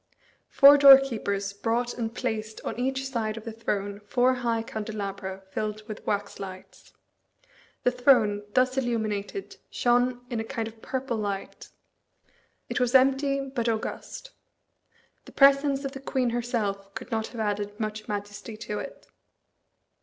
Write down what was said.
Four doorkeepers brought and placed on each side of the throne four high candelabra filled with wax lights. The throne, thus illuminated, shone in a kind of purple light. It was empty but august. The presence of the queen herself could not have added much majesty to it.